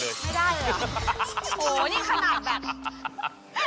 ไม่ได้เลยหรอ